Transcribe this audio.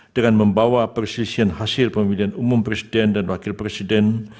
dengan membawa persisian hasil pemilihan umum president dan wakil president